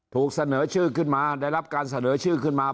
ถูกเสนอชื่อขึ้นมาได้รับการเสนอชื่อขึ้นมา